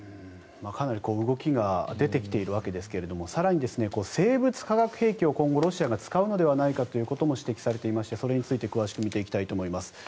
かなり動きが出てきているわけですから更に、生物・化学兵器を今後、ロシアが使うのではないかということも指摘されていましてそれについて詳しく見ていきます。